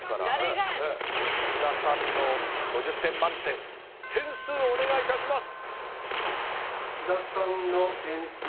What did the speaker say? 福田さんの５０点満点点数お願いいたします！